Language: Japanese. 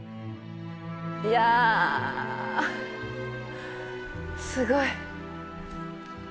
いやすごい。